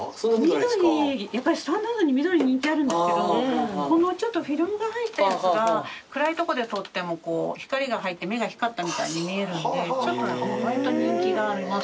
緑やっぱりスタンダードに緑人気あるんですけどこのちょっとフィルムが入ったやつが暗いとこで撮っても光が入って目が光ったみたいに見えるんでわりと人気がありますね。